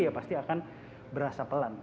ya pasti akan berasa pelan